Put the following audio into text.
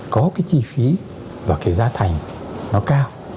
có cái chi phí và cái giá thành nó cao